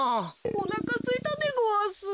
おなかすいたでごわす。